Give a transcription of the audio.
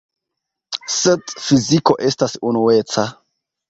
Sed fiziko estas unueca.